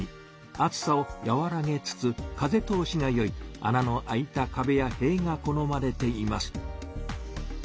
暑さを和らげつつ風通しが良いあなの開いたかべやへいが好まれています。